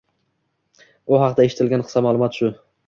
U haqda eshitilgan qisqa ma'lumot — shu.